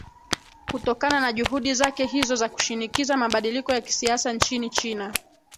kutokana na juhudi zake hizo za kushinikiza mabadiliko ya kisiasa nchini china